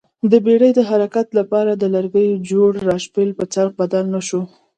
د بېړۍ د حرکت لپاره لرګیو جوړ راشبېل په څرخ بدل نه شو